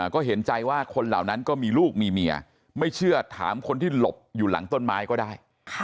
ก็เห็นใจว่าคนเหล่านั้นก็มีลูกมีเมียไม่เชื่อถามคนที่หลบอยู่หลังต้นไม้ก็ได้